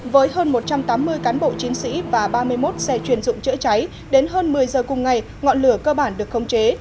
với hơn một trăm tám mươi cán bộ chiến sĩ và ba mươi một xe chuyên dụng chữa cháy đến hơn một mươi giờ cùng ngày ngọn lửa cơ bản được khống chế